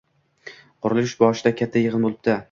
Qurilish boshida katta yig‘in bo‘ldi.